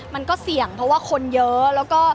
มันก็เสี่ยงเพราะว่าคนเยอะแล้วก็